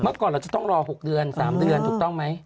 ก่อนเราจะต้องรอ๖เดือน๓เดือนถูกต้องไหม